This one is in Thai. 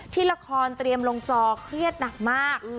ที่ละครเตรียมลงจอเครียดหนักมาก